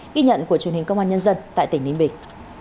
ghi nhận của truyền hình công an nhân dân tại tỉnh ninh bình